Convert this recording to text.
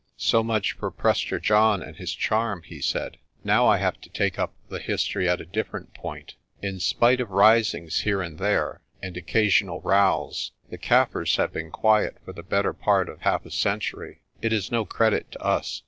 "So much for Prester John and his charm," he said. "Now I have to take up the history at a different point. In spite of risings here and there, and occasional rows, the Kaffirs have been quiet for the better part of half a century. It is no credit to us.